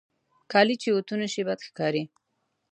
کالي چې اوتو نهشي، بد ښکاري.